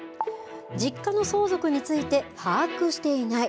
実家の相続について把握していない。